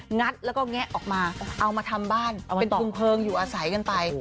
งัดแล้วก็แงะออกมาเอามาทำบ้านเป็นเพลิงอยู่อาศัยกันไป